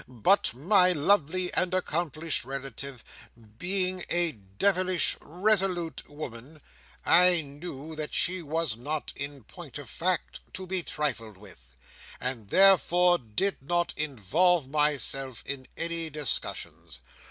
But my lovely and accomplished relative being a devilish resolute woman, I knew that she was not, in point of fact, to be trifled with, and therefore did not involve myself in any discussions.